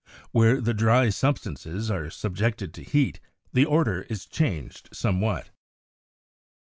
Where the dry substances are subjected to heat, the order is changed somewhat.